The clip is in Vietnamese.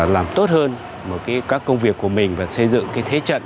làm tốt hơn một các công việc của mình và xây dựng cái thế trận